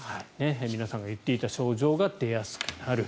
皆さんが言っていた症状が出やすくなる。